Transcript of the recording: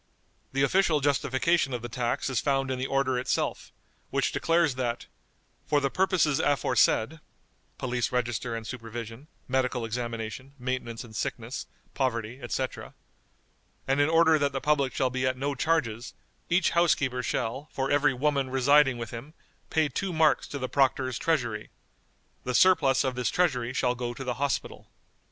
The official justification of the tax is found in the order itself, which declares that, "for the purposes aforesaid" (police register and supervision, medical examination, maintenance in sickness, poverty, etc.), "and in order that the public shall be at no charges, each housekeeper shall, for every woman residing with him, pay two marks to the Proctor's treasury. The surplus of this treasury shall go to the Hospital."